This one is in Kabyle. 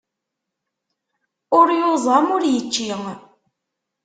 Ur yuẓam ur yečči.